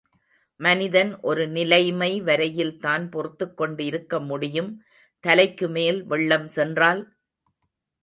மனிதன் ஒரு நிலைமை வரையில்தான் பொறுத்துக் கொண்டு இருக்க முடியும் தலைக்கு மேல் வெள்ளம் சென்றால்?